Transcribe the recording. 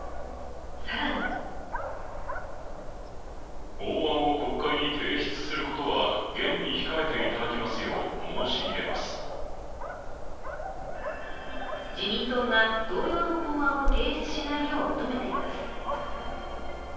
更に自民党が同様の法案を提出しないよう求めています。